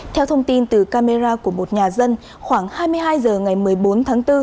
theo thông tin từ camera của một nhà dân khoảng hai mươi hai h ngày một mươi bốn tháng bốn